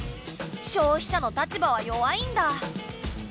消費者の立場は弱いんだ。